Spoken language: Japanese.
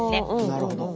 なるほど。